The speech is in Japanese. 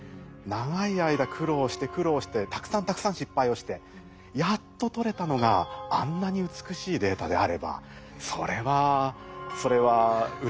長い間苦労して苦労してたくさんたくさん失敗をしてやっと取れたのがあんなに美しいデータであればそれはそれはうれしいでしょうねっていうふうに私も思いますし。